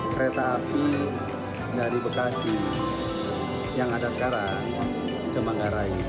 kereta api dari bekasi yang ada sekarang ke manggarai